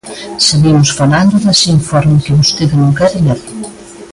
Seguimos falando dese informe, que vostede non quere ler.